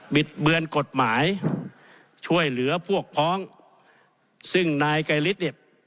ิดเบือนกฎหมายช่วยเหลือพวกพ้องซึ่งนายไกรฤทธิ์เนี่ย